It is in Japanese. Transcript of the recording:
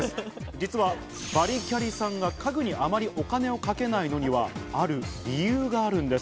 実はバリキャリさんが家具にあまりお金をかけないのにはある理由があるんです。